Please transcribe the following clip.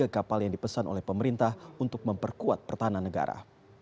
dari tiga kapal yang di pesan oleh pemerintah untuk memperkuat pertahanan negara